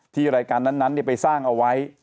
รายการนั้นไปสร้างเอาไว้